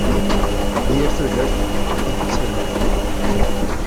Yir tudert, tif-itt lmut.